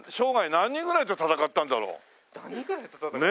何人ぐらいと戦ったんですかね？